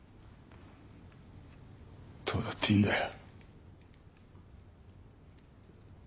どうだっていいんだよ。